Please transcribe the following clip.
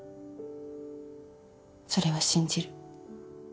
それは信じる。